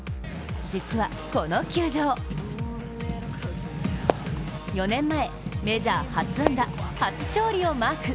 実は、この球場４年前、メジャー初安打・初勝利をマーク。